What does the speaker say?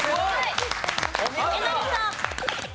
えなりさん。